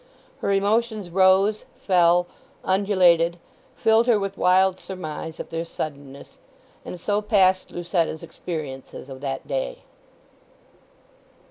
Her emotions rose, fell, undulated, filled her with wild surmise at their suddenness; and so passed Lucetta's experiences of that day.